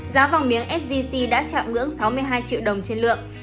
giá vàng miếng sgc đã chạm ngưỡng sáu mươi hai triệu đồng trên lượng